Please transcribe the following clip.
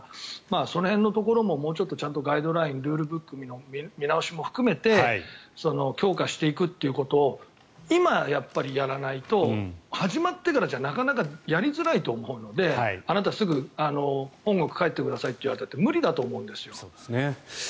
その辺のところもガイドラインルールブックの見直しも含めて強化していくということを今、やっぱりやらないと始まってからじゃなかなかやりづらいと思うのであなた、すぐに本国に帰ってくださいと言われたって無理だと思うんですよ。